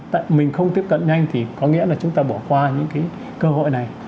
tại mình không tiếp cận nhanh thì có nghĩa là chúng ta bỏ qua những cái cơ hội này